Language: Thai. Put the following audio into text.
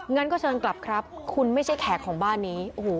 งั้นก็เชิญกลับครับคุณไม่ใช่แขกของบ้านนี้โอ้โห